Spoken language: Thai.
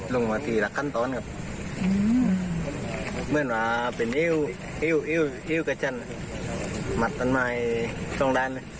ต้นไม้ต้องเร่ง